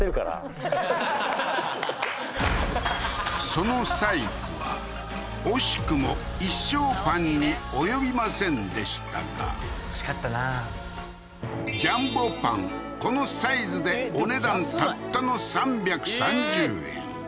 そのサイズは惜しくも１升パンに及びませんでしたが惜しかったなジャンボパンこのサイズでお値段たったの３３０円